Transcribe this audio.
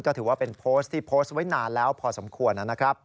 ก็ถือว่าเป็นโพสต์ที่โพสต์ไว้นานแล้วพอสมควรนะครับ